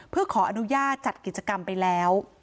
เพื่อขออนุญาตจัดกิจกรรมไปแล้ว